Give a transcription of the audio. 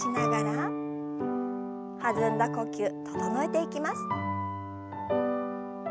弾んだ呼吸整えていきます。